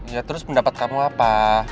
ya terus pendapat kamu apa